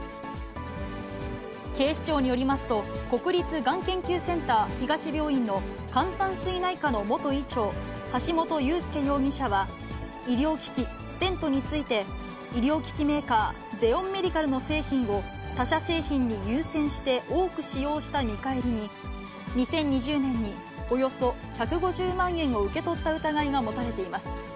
警視庁によりますと、国立がん研究センター東病院の肝胆膵内科の元医長、橋本裕輔容疑者は、医療機器、ステントについて、医療機器メーカー、ゼオンメディカルの製品を、他社製品に優先して多く使用した見返りに、２０２０年におよそ１５０万円を受け取った疑いが持たれています。